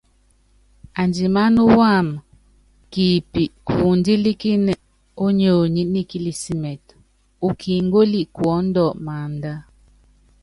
Andímánáma kipíkundílíkíni ónyonyi nikilísimitɛ, ukíngóli kuɔ́ndɔ maánda.